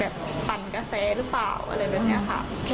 ปั่นกระแสหรือเปล่าอะไรแบบนี้ค่ะ